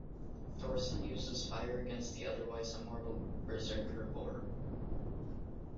Thorsson uses fire against the otherwise immortal Berserker Boar.